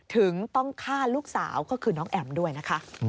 ถึงต้องฆ่าลูกสาวก็คือน้องแอ๋มด้วยนะคะ